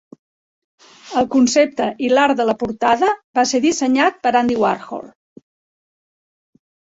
El concepte i l'art de la portada va ser dissenyat per Andy Warhol.